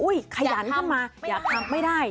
อุ๊ยขยันเข้ามาอยากทำไม่ได้